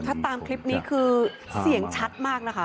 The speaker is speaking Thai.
ถ้าตามคลิปนี้คือเสียงชัดมากนะคะ